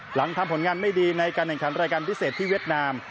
หลังทำผลงานไม่ดีในการแข่งขันรายการพิเศษที่เวียดนาม